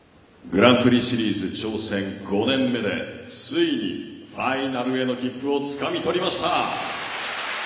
グランプリシリーズ挑戦５年目でついにファイナルへの切符をつかみとりました。